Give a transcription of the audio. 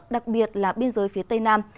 đặc biệt là biên giới phía tây nam